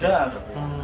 turun dari truk